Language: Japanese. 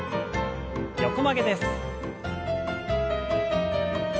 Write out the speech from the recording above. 横曲げです。